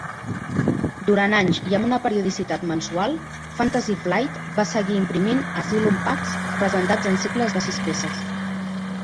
Durant anys i amb una periodicitat mensual, Fantasy Flight va seguir imprimint Asylum Packs, presentats en cicles de sis peces.